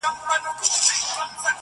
مګر وږی ولس وایې؛ له چارواکو مو ګیله ده,